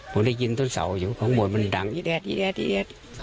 ผมได้ยินต้นเสาอยู่ข้างบนมันดังอีแดดอีแอด